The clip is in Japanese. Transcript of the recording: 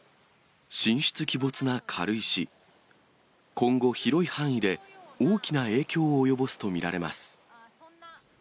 今後、広い範囲で大きな影響を及ぼすと見られます。